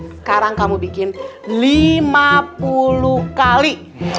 sekarang kamu bikin lima puluh kali